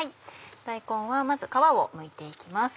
大根はまず皮をむいて行きます。